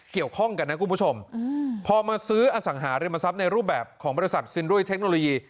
เกี่ยวข้องกันนะคุณผู้ชมพอมาซื้ออสังหาริมทรัพย์ในรูปแบบของบริษัทซินด้วยเทคโนโลยี